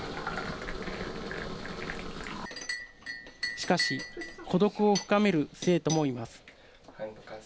しかし孤独を深める生徒もいます。